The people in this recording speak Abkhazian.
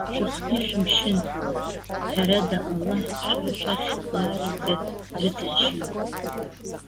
Шәыхгьы шәымшьын. Ҳәарада, Аллаҳ шәара шәахь даараӡа дрыцҳашьаҩуп.